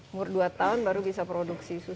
umur dua tahun baru bisa produksi susu